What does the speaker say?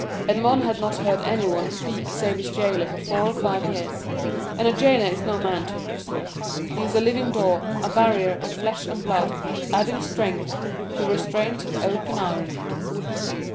Edmond had not heard anyone speak save his jailer for four or five years; and a jailer is no man to a prisoner—he is a living door, a barrier of flesh and blood adding strength to restraints of oak and iron.